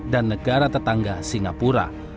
dan negara tetangga singapura